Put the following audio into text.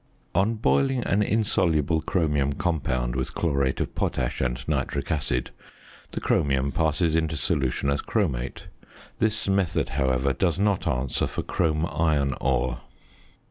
On boiling an insoluble chromium compound with chlorate of potash and nitric acid, the chromium passes into solution as chromate. This method, however, does not answer for chrome iron ore.